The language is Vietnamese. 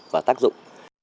và tác dụng